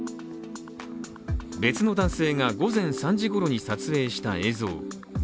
別の男性が午前３時ごろに撮影した映像。